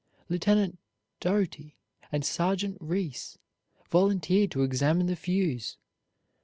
Lieutenant Doughty and Sergeant Rees volunteered to examine the fuse.